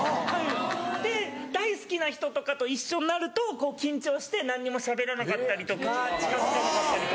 で大好きな人とかと一緒になると緊張して何にもしゃべらなかったりとか近づけなかったりとか。